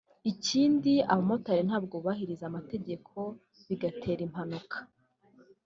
Ikindi abamotari ntabwo bubahiriza amategeko bigatera impanuka